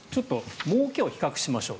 もうけを比較しましょう。